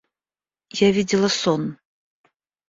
Я видела сон.